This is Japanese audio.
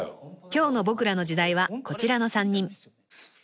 ［今日の『ボクらの時代』はこちらの３人］